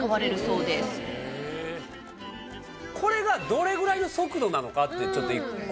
これがどれぐらいの速度なのかってちょっと１個。